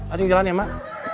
acing jalan ya mak